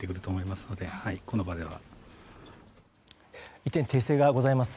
一点、訂正がございます。